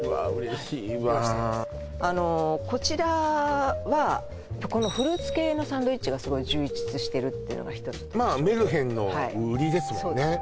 こちらはフルーツ系のサンドイッチがすごい充実してるってのがメルヘンの売りですもんね